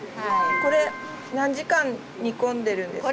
これ何時間煮込んでるんですか？